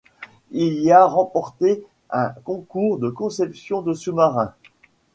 Il y a remporté un concours de conception de sous-marin.